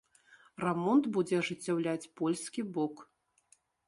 Рамонт будзе ажыццяўляць польскі бок.